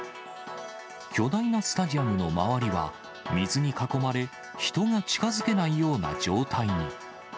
巨大なスタジアムの周りは水に囲まれ、人が近づけないような状態に。